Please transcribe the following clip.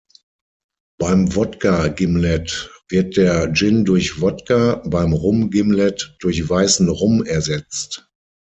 Beim Wodka-Gimlet wird der Gin durch Wodka, beim Rum-Gimlet durch weißen Rum ersetzt.